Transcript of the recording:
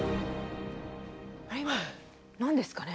あれ今の何ですかね？